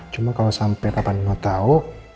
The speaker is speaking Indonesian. cuma kalau sampe papanya tau